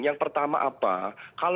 yang pertama apa